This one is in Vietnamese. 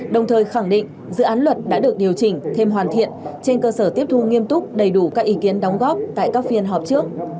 đồng thời khẳng định dự án luật đã được điều chỉnh thêm hoàn thiện trên cơ sở tiếp thu nghiêm túc đầy đủ các ý kiến đóng góp tại các phiên họp trước